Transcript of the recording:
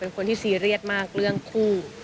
เป็นคนที่ซีเรียสมากเรื่องคู่